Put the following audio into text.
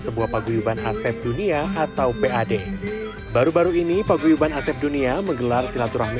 sebuah paguyuban asep dunia atau pad baru baru ini paguyuban asep dunia menggelar silaturahmi